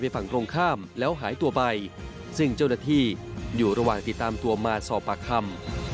ฝั่งตรงข้ามแล้วหายตัวไปซึ่งเจ้าหน้าที่อยู่ระหว่างติดตามตัวมาสอบปากคำ